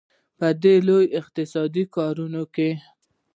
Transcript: په دې لوی اقتصادي کاروان کې.